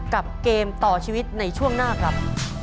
เกมต่อชีวิตในช่วงหน้าครับ